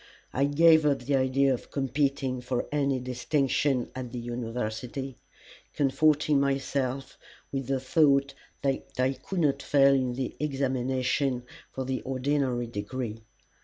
I gave up the idea of competing for any distinction at the University, comforting myself with the thought that I could not fail in the examination for the ordinary degree.